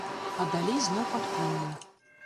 А далей зноў падполле.